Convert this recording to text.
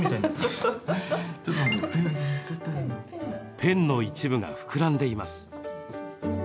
ペンの一部が膨らんでいます。